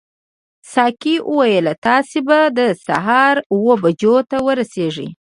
ساقي وویل تاسي به د سهار اوو بجو ته ورسیږئ.